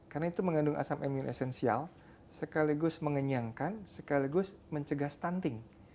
karena itu mengandung asam eminensensial sekaligus mengenyangkan sekaligus mencegah stunting